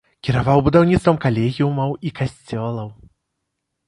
Кіраваў будаўніцтвам калегіумаў і касцёлаў.